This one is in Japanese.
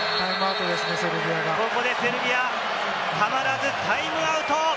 ここでセルビア、たまらずタイムアウト！